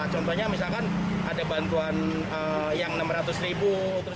contohnya misalkan ada bantuan yang rp enam ratus ribu